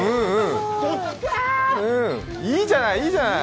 いいじゃない、いいじゃない。